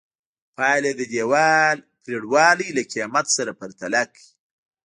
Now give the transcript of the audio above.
پایله یې د دیوال پرېړوالي له قېمت سره پرتله کړئ.